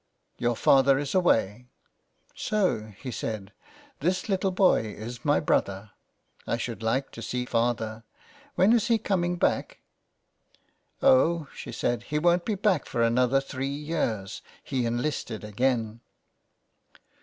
" Your father is away." " So," he said, " this little boy is my brother. I should like to see father. When is he coming back?" " Oh," she said, " he won't be back for another three years. He enlisted again."